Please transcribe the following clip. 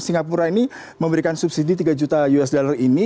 singapura ini memberikan subsidi tiga juta usd ini